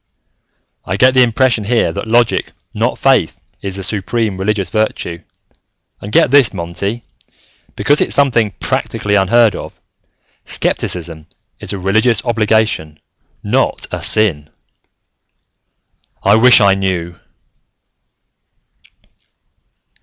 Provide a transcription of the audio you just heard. "I get the impression here that logic, not faith, is the supreme religious virtue. And get this, Monty, because it's something practically unheard of: skepticism is a religious obligation, not a sin! "I wish I knew...."